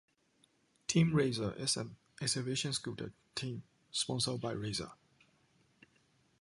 Team Razor is an exhibition scooter team sponsored by Razor.